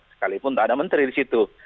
sekalipun tak ada menteri di situ